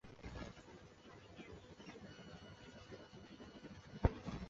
但后来少说了